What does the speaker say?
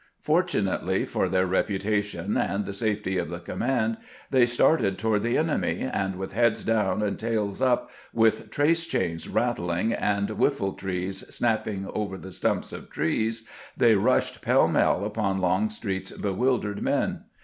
Fortunately for their reputa tion and the safety of the command, they started toward the enemy, and with heads down and tails up, with trace chains rattling and whifBetrees snapping over the stumps of trees, they rushed pell mell upon Longstreet's bewildered men.